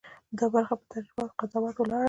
دا برخه په تجربه او قضاوت ولاړه ده.